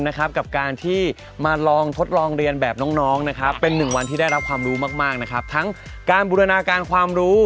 กับการที่มาลองทดลองเรียนแบบน้องนะครับเป็นหนึ่งวันที่ได้รับความรู้มากมากนะครับทั้งการบูรณาการความรู้